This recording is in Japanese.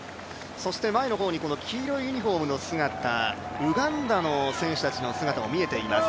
前の方に黄色いユニフォームの姿、ウガンダの選手たちの姿も見えています。